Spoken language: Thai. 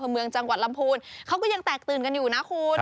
เมืองจังหวัดลำพูนเขาก็ยังแตกตื่นกันอยู่นะคุณ